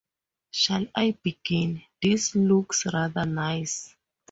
Shall I begin? — this looks rather nice.